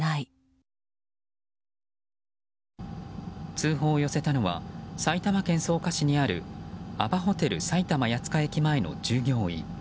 通報を寄せたのは埼玉県草加市にあるアパホテル埼玉谷塚駅前の従業員。